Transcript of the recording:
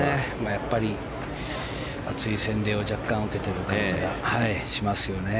やっぱり熱い洗礼を若干受けてる感じがしますよね。